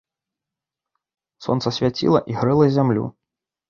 Сонца свяціла і грэла зямлю.